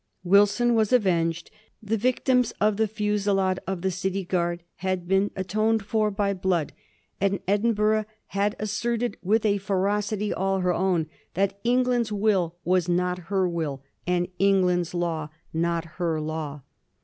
Wilson was avenged; the victims of the fusillade of the city guard had been atoned for by blood, and Edinburgh had as serted with a ferocity all her own that England's will was not her will, and England's law not her law.